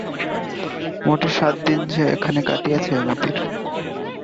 মোটে সাত দিন যে এখানে কাটিয়াছে মতির।